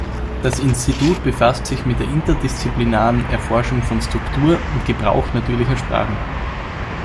Das Institut befasst sich mit der interdisziplinären Erforschung von Struktur und Gebrauch natürlicher Sprachen.